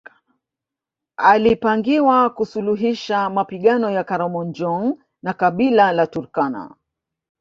Alipangiwa kusuluhisha mapigano ya Karamojong na kabila la Turkana